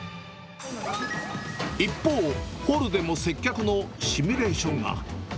一方、ホールでも接客のシミュレーションが。